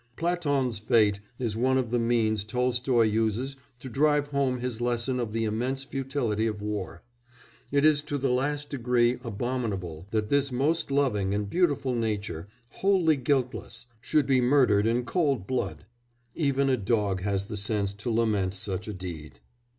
Platon's fate is one of the means Tolstoy uses to drive home his lesson of the immense futility of war; it is to the last degree abominable that this most loving and beautiful nature, wholly guiltless, should be murdered in cold blood; even a dog has the sense to lament such a deed.